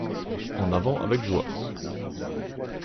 En avant avec joie